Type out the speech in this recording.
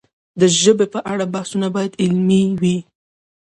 د ژبې په اړه بحثونه باید علمي وي.